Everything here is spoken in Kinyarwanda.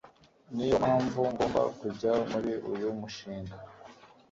niyo mpamvu ngomba kujya muri uyu mushinga